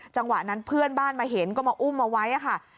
จังหวะนั้นเพื่อนบ้านมาเห็นก็มาอุ้มเอาไว้ค่ะ